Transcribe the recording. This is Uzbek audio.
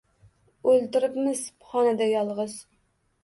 O‘ltiribmiz xonada yolg‘iz